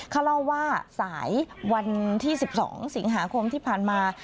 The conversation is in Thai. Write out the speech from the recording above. เขาเล่าว่าสายวันที่๑๒สิงหาคมที่ผ่านมา